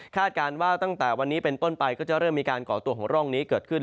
การว่าตั้งแต่วันนี้เป็นต้นไปก็จะเริ่มมีการก่อตัวของร่องนี้เกิดขึ้น